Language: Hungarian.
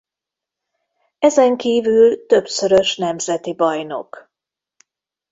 Ezenkívül többszörös nemzeti bajnok.